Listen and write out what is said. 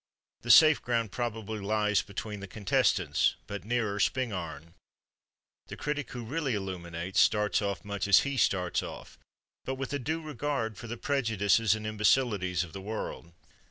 The safe ground probably lies between the contestants, but nearer Spingarn. The critic who really illuminates starts off much as he starts off, but with a due regard for the prejudices and imbecilities of the world.